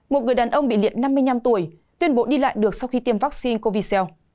một người đàn ông bị liệt năm mươi năm tuổi tuyên bố đi lại được sau khi tiêm vaccine covid một mươi chín